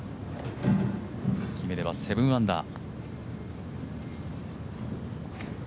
決めれば７アンダー。